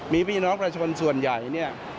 มีพี่น้องประชาชนส่วนใหญ่เนี่ย